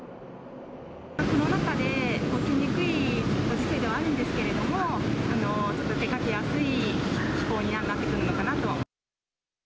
コロナ禍で動きにくいご時世ではあるんですけれども、ちょっと出かけやすい気候にはなってくるのかなと。